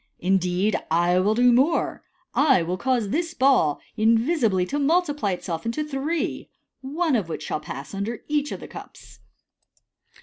Indeed, I will do more j I will cause this ball invisibly to multiply itself into three, one of which shall pass under each of the cups.